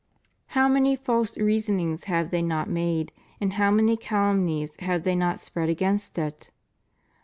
How many false reasonings have they not made and how many calumnies have they not spread against it!